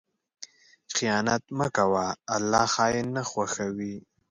خیانت مه کوه، الله خائن نه خوښوي.